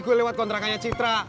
tadi gue lewat kontraknya citra